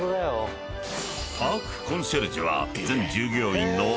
［パーク・コンシェルジュは］